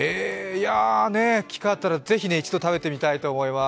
機会があったら、ぜひ一度食べてみたいと思います。